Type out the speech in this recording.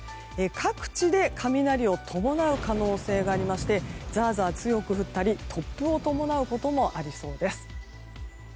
各地で雷を伴う可能性がありましてザーザー強く降ったり突風を伴うこともありそうです。